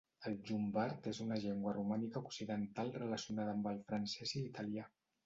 El llombard és una llengua romànica occidental relacionada amb el francès i l'italià.